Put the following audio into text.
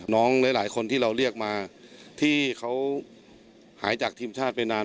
หลายคนที่เราเรียกมาที่เขาหายจากทีมชาติไปนาน